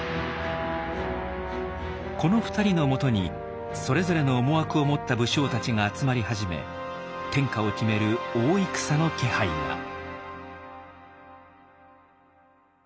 この２人のもとにそれぞれの思惑を持った武将たちが集まり始め天下を決める大戦の気配が。